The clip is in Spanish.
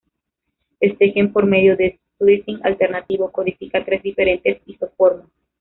Este gen, por medio de "splicing alternativo", codifica tres diferentes isoformas.